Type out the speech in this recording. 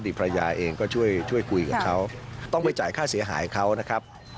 ภรรยาเองก็ช่วยช่วยคุยกับเขาต้องไปจ่ายค่าเสียหายเขานะครับ